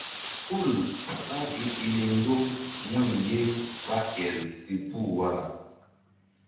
Hul ɓá gi i ni mgbu̧m wu̧y ye ɓá el si puh wara.